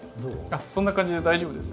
そんな感じで大丈夫です。